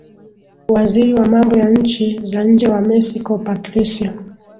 waziri wa mambo ya nchi za nje wa mexico patricia